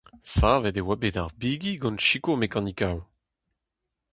Savet e oa ar bigi gant sikour mekanikoù.